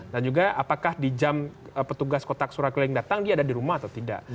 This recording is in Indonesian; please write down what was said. dan juga apakah di jam petugas kotak suara keliling datang dia ada di rumah atau tidak